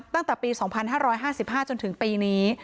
ตั้งแต่ปี๒๕๕๕จนถึงปีนี้